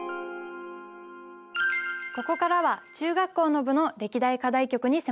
ここからは中学校の部の歴代課題曲に迫ります。